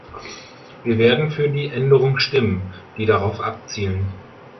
Wir werden für die Änderungen stimmen, die darauf abzielen.